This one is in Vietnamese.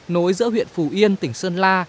nối giữa huyện phù yên tỉnh sơn la